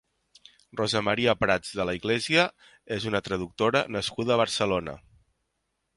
Rosa Maria Prats de la Iglesia és una traductora nascuda a Barcelona.